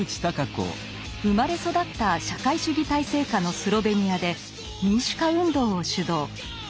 生まれ育った社会主義体制下のスロベニアで民主化運動を主導。